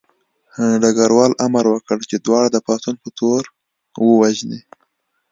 ډګروال امر وکړ چې دواړه د پاڅون په تور ووژني